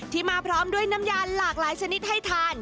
มาพร้อมด้วยน้ำยาหลากหลายชนิดให้ทาน